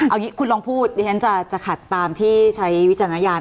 เอางี้คุณลองพูดเดี๋ยวฉันจะขัดตามที่ใช้วิจารณญาณ